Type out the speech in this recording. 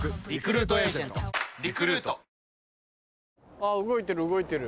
あぁ動いてる動いてる。